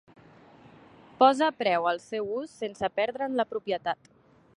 Posa preu al seu ús sense perdre'n la propietat.